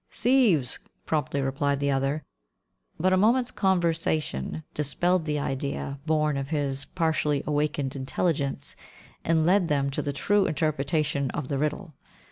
"Thieves!" promptly replied the other, but a moment's conversation dispelled the idea born of his partially awakened intelligence, and led them to the true interpretation of the riddle.